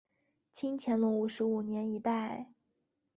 清乾隆五十五年一带。